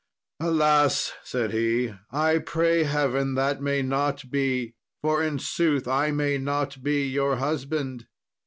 "Alas!" said he, "I pray heaven that may not be; for in sooth I may not be your husband.